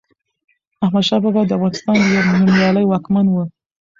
احمد شاه بابا دافغانستان يو نوميالي واکمن وه